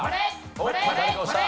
おっ誰か押した。